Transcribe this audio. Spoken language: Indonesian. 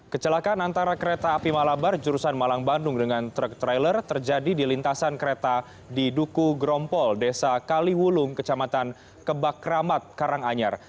kecelakaan antara kereta api malabar jurusan malang bandung dengan truk trailer terjadi di lintasan kereta di duku grompol desa kaliwulung kecamatan kebakramat karanganyar